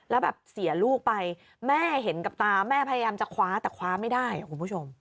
แล้วแบบเสียลูกไปแม่เห็นกับตาแม่พยายามจะคว้าแต่คว้าไม่ได้คุณผู้ชม